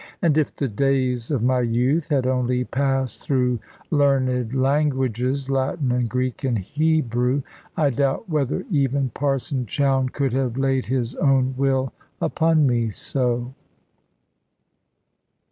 And if the days of my youth had only passed through learned languages, Latin and Greek and Hebrew, I doubt whether even Parson Chowne could have laid his own will upon me so.